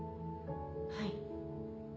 はい。